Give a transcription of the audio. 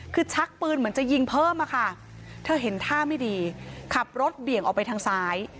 คือชักปืนเหมือนจะยิงเพิ่มอะค่ะเธอเห็นท่าไม่ดีขับรถเบี่ยงออกไปทางซ้าย